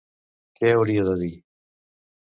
Què hauria de dir?